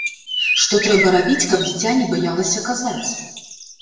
Што трэба рабіць, каб дзіця не баялася казаць?